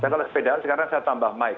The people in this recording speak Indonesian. kalau sepedaan sekarang saya tambah mic